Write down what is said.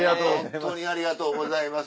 ありがとうございます。